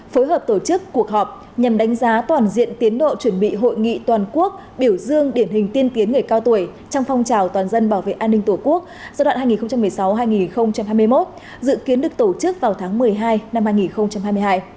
phối hợp tổ chức cuộc họp nhằm đánh giá toàn diện tiến độ chuẩn bị hội nghị toàn quốc biểu dương điển hình tiên tiến người cao tuổi trong phong trào toàn dân bảo vệ an ninh tổ quốc giai đoạn hai nghìn một mươi sáu hai nghìn hai mươi một dự kiến được tổ chức vào tháng một mươi hai năm hai nghìn hai mươi hai